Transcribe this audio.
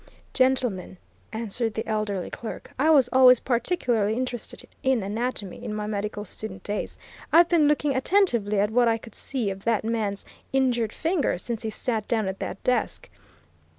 "Gentlemen," answered the elderly clerk. "I was always particularly interested in anatomy in my medical student days. I've been looking attentively at what I could see of that man's injured finger since he sat down at that desk.